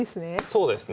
そうですね。